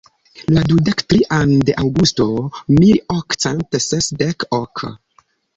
La dudek trian de Aŭgusto mil okcent sesdek ok.